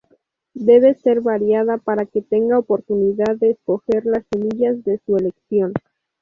Debe ser variada para que tenga oportunidad de escoger las semillas de su elección.